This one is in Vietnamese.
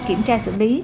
kiểm tra xử lý